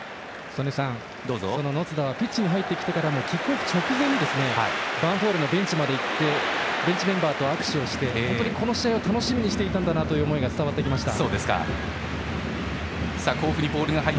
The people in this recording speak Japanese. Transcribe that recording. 曽根さん、野津田はピッチに入ってきてからもキックオフ直前にヴァンフォーレのベンチまで行きベンチメンバーと握手をして本当にこの試合を楽しみにしていたんだなという思いが伝わってきました。